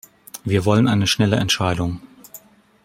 Wir wollen eine schnelle Entscheidung.